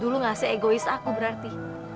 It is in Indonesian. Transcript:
dulu gak se egois aku berarti